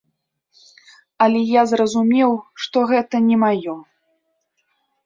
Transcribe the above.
Але я зразумеў, што гэта не маё.